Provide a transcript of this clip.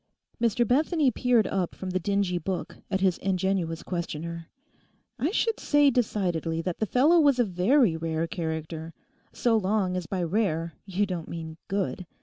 Mr Bethany peered up from the dingy book at his ingenuous questioner. 'I should say decidedly that the fellow was a very rare character, so long as by rare you don't mean good.